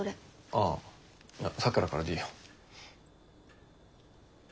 ああ咲良からでいいよ。